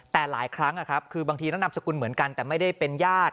แต่หลายครั้งคือบางทีนั้นนามสกุลเหมือนกันแต่ไม่ได้เป็นญาติ